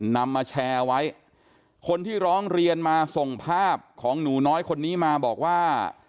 นำมาแชร์ไว้คนที่ร้องเรียนมาส่งภาพของหนูน้อยคนนี้มาบอกว่า